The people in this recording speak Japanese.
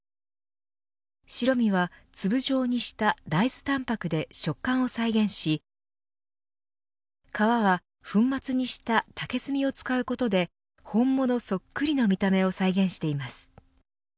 白身は、粒状にした大豆タンパクで食感を再現し皮は粉末にした竹炭を使うことで本物そっくりの見た目を再現しています。